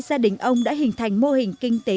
gia đình ông đã hình thành mô hình kinh tế